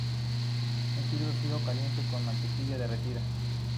Se sirve frío o caliente con mantequilla derretida.